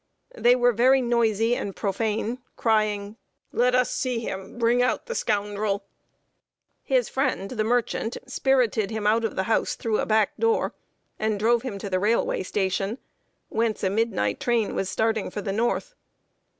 They were very noisy and profane, crying "Let us see him; bring out the scoundrel!" His friend, the merchant, spirited him out of the house through a back door, and drove him to the railway station, whence a midnight train was starting for the North.